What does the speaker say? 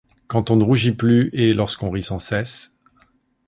Quand on ne rougit plus et lorsqu’on rit sans cesse